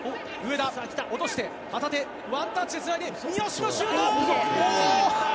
上田落として、旗手、ワンタッチでつないで、三好のシュート。